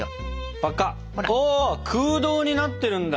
わ空洞になってるんだ。